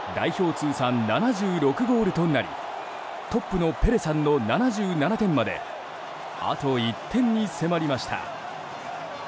通算７６ゴールとなりトップのペレさんの７７点まであと１点に迫りました。